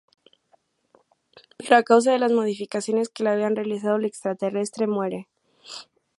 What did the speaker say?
Pero, a causa de las modificaciones que le habían realizado, el extraterrestre muere.